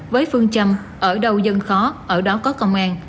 với phương châm ở đâu dân khó ở đó có công an